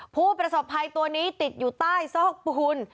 ผู้ประสบภัยตัวนี้ติดอยู่ใต้ซอกปูน